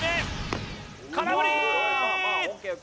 空振りー！